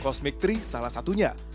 cosmic tree salah satunya